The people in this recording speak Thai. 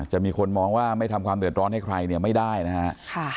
จะมีคนมองว่าไม่ทำความเดือดร้อนให้ใครเนี่ยไม่ได้นะฮะ